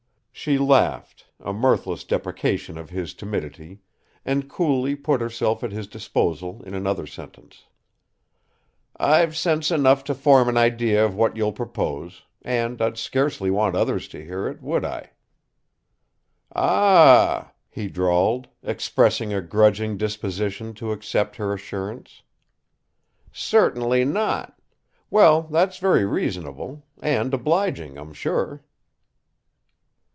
She laughed, a mirthless deprecation of his timidity, and coolly put herself at his disposal in another sentence: "I've sense enough to form an idea of what you'll propose; and I'd scarcely want others to hear it would I?" "Ah h h!" he drawled, expressing a grudging disposition to accept her assurance. "Certainly not. Well, that's very reasonable and obliging, I'm sure."